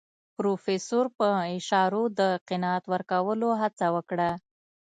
پروفيسر په اشارو د قناعت ورکولو هڅه وکړه.